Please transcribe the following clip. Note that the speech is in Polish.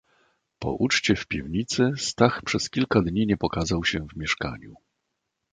"Po uczcie w piwnicy, Stach przez kilka dni nie pokazał się w mieszkaniu."